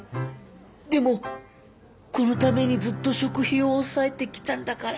でもこのためにずっと食費を抑えてきたんだから。